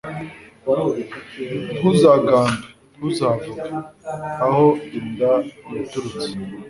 ntuzagambe(ntuzavuge) aho inda yaturutse